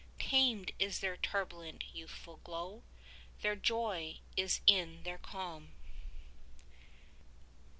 Tamed is their turbulent youthful glow: Their joy is in their calm.